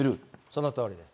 そのとおりです。